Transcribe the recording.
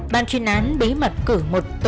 ba đứa con